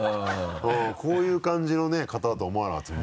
こういう感じのね方だとは思わなかった。